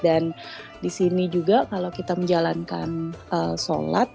dan di sini juga kalau kita menjalankan sholat